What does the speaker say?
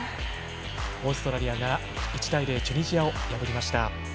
オーストラリアが１対０チュニジアを破りました。